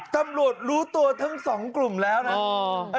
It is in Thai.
ตำรวจรู้ตัวทั้งสองกลุ่มแล้วนะ